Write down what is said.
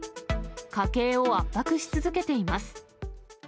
家計を圧迫し続けています。